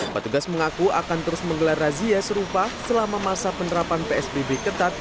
petugas mengaku akan terus menggelar razia serupa selama masa penerapan psbb ketat